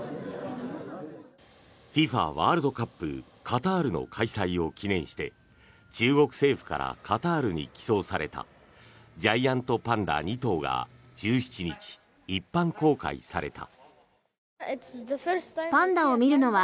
ワールドカップカタールの開催を記念して中国政府からカタールに寄贈されたジャイアントパンダ２頭が１７日、一般公開された。